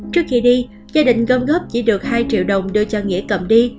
trước khi đi gia đình gom góp chỉ được hai triệu đồng đưa cho nghĩa cầm đi